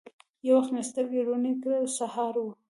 یو وخت مې سترګي روڼې کړې ! سهار و